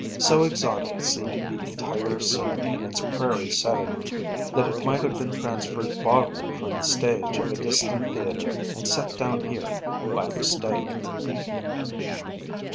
So exotic seemed the entire scene in its prairie setting, that it might have been transferred bodily from the stage of a distant theatre and set down here, by mistake.